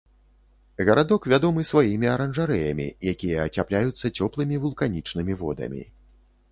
Гарадок вядомы сваімі аранжарэямі, якія ацяпляюцца цёплымі вулканічнымі водамі.